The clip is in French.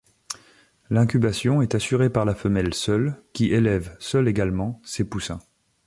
L’incubation est assurée par la femelle seule qui élève, seule également, ses poussins.